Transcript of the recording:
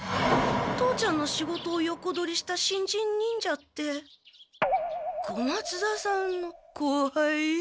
父ちゃんの仕事を横取りした新人忍者って小松田さんの後輩？